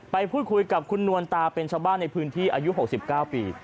ไปพูดคุยกับคุณนวลตาเป็นชาวบ้านในพื้นที่อายุ๖๙ปี